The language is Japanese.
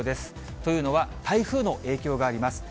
というのは、台風の影響があります。